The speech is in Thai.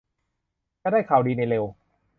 จะได้ข่าวดีในเร็ว